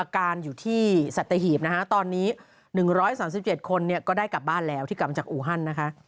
๓๗คนก็ได้กลับบ้านแล้วที่กลับมาจากอูฮันนะคะ